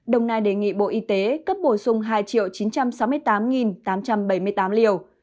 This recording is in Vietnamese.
đồng nai đề nghị bộ y tế cấp bổ sung hai chín trăm sáu mươi tám tám trăm bảy mươi tám liều